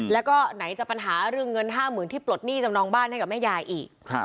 แล้วก็ไหนจะปัญหาเรื่องเงิน๕๐๐๐ที่ปลดหนี้จำนองบ้านให้กับแม่ยายอีก